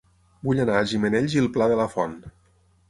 Vull anar a Gimenells i el Pla de la Font